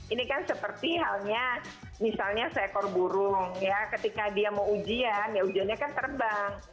ini kan seperti halnya misalnya seekor burung ya ketika dia mau ujian ya ujiannya kan terbang